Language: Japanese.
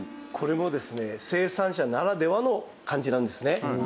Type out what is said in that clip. これもですね生産者ならではの感じなんですね。